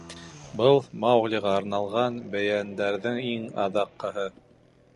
Был — Мауглиға арналған бәйәндәрҙең иң аҙаҡҡыһы.